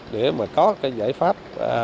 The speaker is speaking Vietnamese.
để mà có cái giải pháp